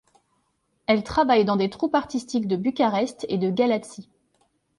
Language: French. Elle travaille dans des troupes artistiques de Bucarest et de Galaţi.